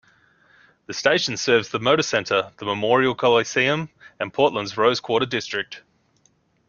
The station serves the Moda Center, the Memorial Coliseum, and Portland's Rose Quarter district.